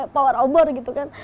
pawai obor gitu kan